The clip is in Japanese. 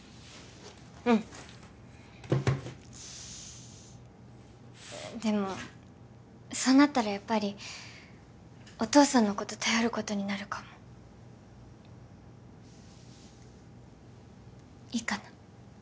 うんでもそうなったらやっぱりお父さんのこと頼ることになるかもいいかな？